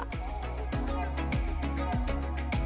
pembekalan dan pelatihan